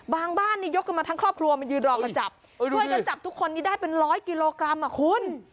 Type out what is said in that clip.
บ้านนี่ยกกันมาทั้งครอบครัวมายืนรอกันจับช่วยกันจับทุกคนนี้ได้เป็นร้อยกิโลกรัมอ่ะคุณ